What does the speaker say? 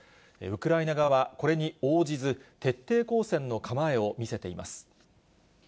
ウクライナ側はこれに応じず、徹底抗戦の構えを見せています。